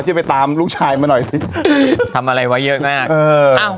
เธอตามลูกชายมันหน่อยครับทำอะไรวะเยอะมาก